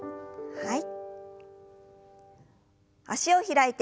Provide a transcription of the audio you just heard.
はい。